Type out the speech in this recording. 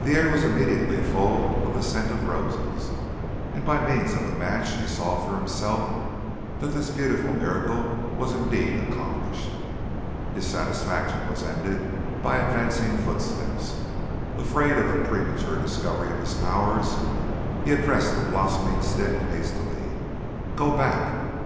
The air was immediately full of the scent of roses, and by means of a match he saw for himself that this beautiful miracle was indeed accomplished. His satisfaction was ended by advancing footsteps. Afraid of a premature discovery of his powers, he addressed the blossoming stick hastily: "Go back."